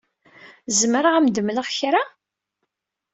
Zemreɣ ad am-d-mleɣ kra?